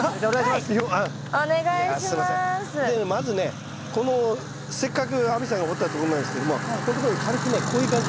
でまずねこのせっかく亜美さんが掘ったところなんですけどもここんとこに軽くねこういう感じ。